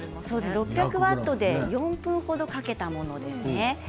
６００ワットで４分ほどかけたものですね。